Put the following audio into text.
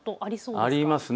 ありますね。